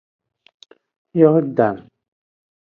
Yordan.